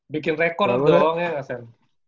bikin rekor dong ya sen